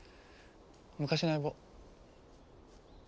昔の相棒。